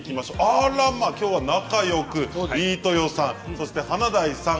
あらま今日は仲よく飯豊さんそして華大さん